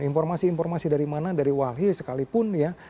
informasi informasi dari mana dari walhi sekalipun ya